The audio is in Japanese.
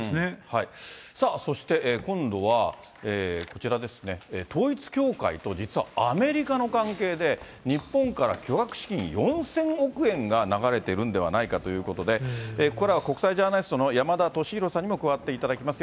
さあ、そして今度はこちらですね、統一教会と、実はアメリカの関係で、日本から巨額資金４０００億円が流れているんではないかということで、ここからは国際ジャーナリストの山田敏弘さんにも加わっていただきます。